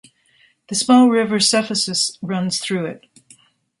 The small river Cephissus runs through it.